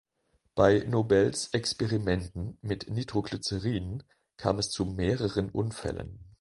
Bei Nobels Experimenten mit Nitroglycerin kam es zu mehreren Unfällen.